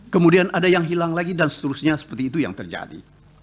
kemudian ada yang hilang lagi dan seterusnya seperti itu yang terjadi